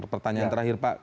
pertanyaan terakhir pak